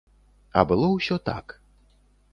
А было ўсё так.